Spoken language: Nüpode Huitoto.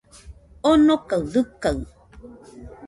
Onokaɨ dɨkaɨ